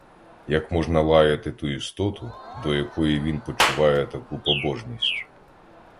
Як можна лаяти ту істоту, до якої він почуває таку побожність?